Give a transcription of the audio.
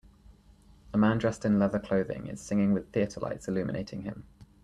A man dressed in leather clothing is singing with theater lights illuminating him.